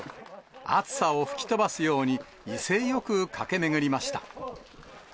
暑さを吹き飛ばすように、威勢よく駆け巡りました。